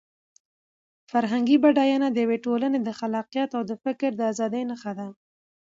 فرهنګي بډاینه د یوې ټولنې د خلاقیت او د فکر د ازادۍ نښه ده.